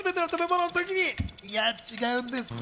いや、違うんですね。